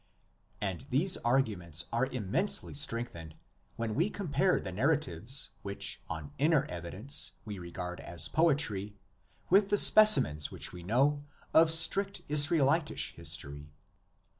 And these arguments are immensely strengthened when we compare the narratives which on inner evi dence we regard as poetry with the specimens which we know of strict Israelitish history.